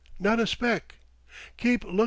Not a speck. 'Keep lookin'!'